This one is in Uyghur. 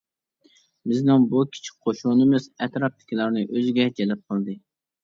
بىزنىڭ بۇ كىچىك قوشۇنىمىز ئەتراپتىكىلەرنى ئۆزىگە جەلپ قىلدى.